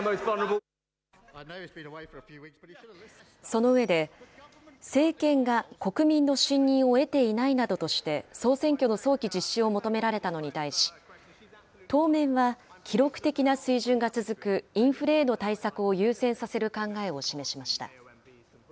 その上で、政権が国民の信任を得ていないなどとして、総選挙の早期実施を求められたのに対し、当面は記録的な水準が続くインフレへの対策を優先させる考えを示しました。